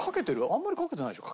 あんまりかけてないでしょ？